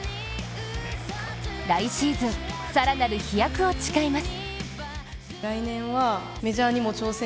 来シーズン、更なる飛躍を誓います。